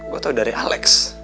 gue tau dari alex